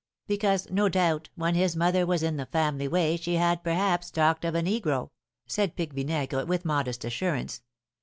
"Because, no doubt, when his mother was in the family way she had, perhaps, talked of a negro," said Pique Vinaigre, with modest assurance.